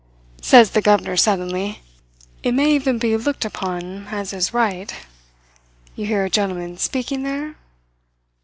Says the governor suddenly: "'It may even be looked upon as his right' you hear a gentleman speaking there?